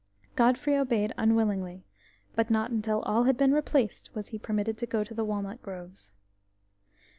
Godfrey obeyed unwillingly, but not until all had been replaced was he permitted to go to the walnut groves.